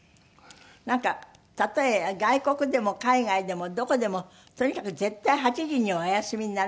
なんかたとえ外国でも海外でもどこでもとにかく絶対８時にはお休みになるんですって？